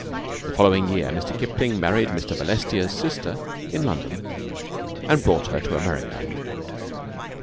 The following year Mr. Kipling married Mr. Balestier's sister in London and brought her to America.